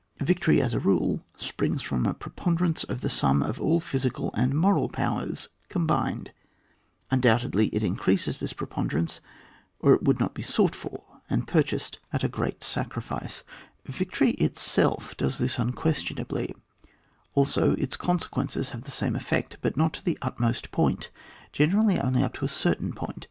Victory, as a rule, springs from a pre ponderance of the sum of all the physical and moral powers combined; undoubt edly it increases this preponderance, or it would not be sought for and purchased • See Chapters lY. and Y. CHAP. XXI.] ON THE CULMINATING POINT OF VICTORY. 35 at a great sacrifice. Victory itself does tliis unquestionably; also its conse quences have the same effect, but not to the utmost point — ^generally only up to a certain point.